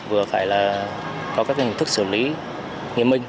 vừa phải là có các hình thức xử lý nghiêm minh